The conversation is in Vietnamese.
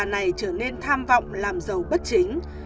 này trở nên tham vọng làm giàu bất chính